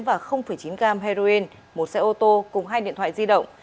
và chín gram heroin một xe ô tô cùng hai điện thoại di động